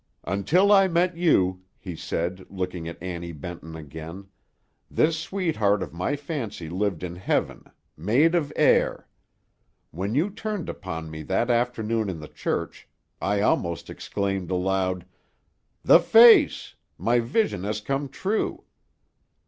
"Until I met you," he said, looking at Annie Benton again, "this sweetheart of my fancy lived in Heaven, Maid of Air. When you turned upon me that afternoon in the church, I almost exclaimed aloud: 'The face! My vision has come true!'